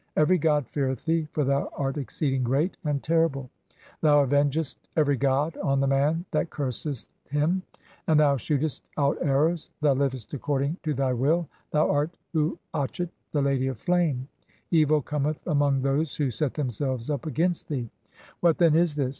"Every god feareth thee, for thou art exceeding great and terrible : "thou [avengest] every (140) god on the man that curseth him, "and thou shootest out arrows Thou livest according to "thy will ; thou art Uatchet, the Lady of Flame. Evil cometh "(141) among those who set themselves up against thee." What then is this?